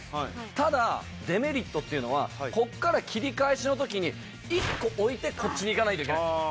ただデメリットっていうのはこっから切り返しの時に一個置いてこっちに行かないといけないんですよ。